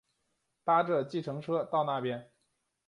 搭著计程车到那边